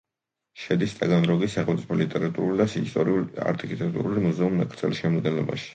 შედის ტაგანროგის სახელმწიფო ლიტერატურული და ისტორიულ-არქიტექტურული მუზეუმ-ნაკრძალის შემადგენლობაში.